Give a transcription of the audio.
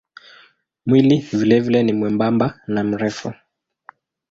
Mwili vilevile ni mwembamba na mrefu.